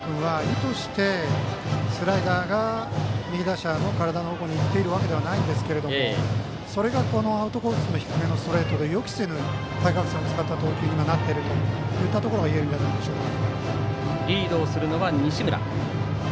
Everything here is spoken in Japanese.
ですから、宮原君は意図してスライダーが右打者の体の方向に行っているわけではないんですがそれがアウトコースの低めのストレートで予期せぬ対角線を使った投球になっているということがいえるんじゃないでしょうか。